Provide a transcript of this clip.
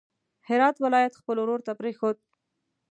هرات ولایت خپل ورور ته پرېښود.